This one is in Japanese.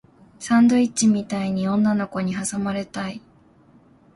サンドイッチみたいに女の子に挟まれたい